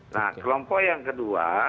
nah kelompok yang kedua